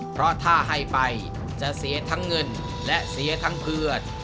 เพราะถ้าให้ไปจะเสียทั้งเงินและเสียทั้งเพื่อน